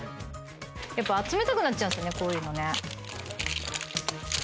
やっぱ集めたくなっちゃうこういうのね。